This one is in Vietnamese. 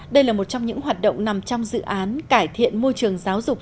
đây là một trong những hoạt động nằm trong dự án cải thiện môi trường giáo dục